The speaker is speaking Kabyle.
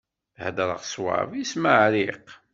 Heddṛeɣ ṣṣwab, ismeɛṛiq.